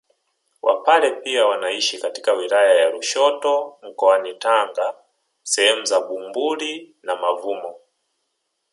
Wapare pia wanaishi katika wilaya ya Lushoto mkoani Tanga sehemu za Bumbuli na Mavumo